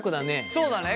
そうだね。